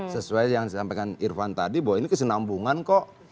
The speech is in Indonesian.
sesuai yang disampaikan irfan tadi bahwa ini kesenambungan kok